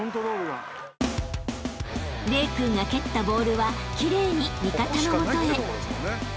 ［玲君が蹴ったボールは奇麗に味方の元へ］